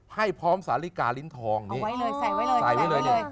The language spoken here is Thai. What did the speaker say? ให้พร้อมสาริกาลิ้นทองนี่ใส่ไว้เลย